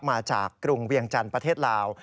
มาจากกรุงเวียงจันทร์ประเทศลาว